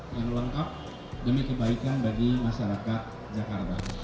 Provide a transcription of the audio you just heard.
yang lengkap demi kebaikan bagi masyarakat jakarta